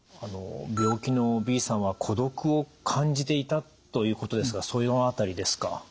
病気のＢさんは孤独を感じていたということですがその辺りですか？